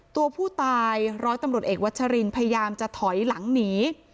ตัวผู้ตายร้อยตำรวจเอกวัชรินพยายามจะถอยหลังหนี